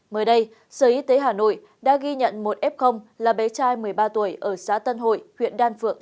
mới đây sở y tế hà nội đã ghi nhận một f là bé trai một mươi ba tuổi ở xã tân hội huyện đan phượng